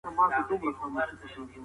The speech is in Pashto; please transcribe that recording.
لوږه د تقدیر پورې اړه نه لري.